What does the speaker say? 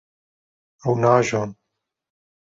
Ew naajon.